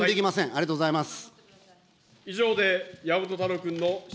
ありがとうございます。